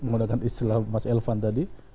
menggunakan istilah mas elvan tadi